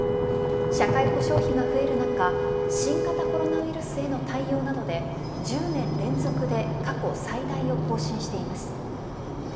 社会保障費が増える中新型コロナウイルスへの対応などで１０年連続で過去最大を更新しています。